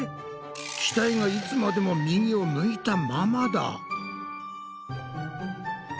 機体がいつまでも右を向いたままだ！